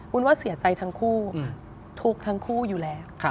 ว่าเสียใจทั้งคู่ทุกข์ทั้งคู่อยู่แล้ว